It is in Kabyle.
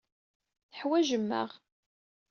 Teḥwajem-aɣ.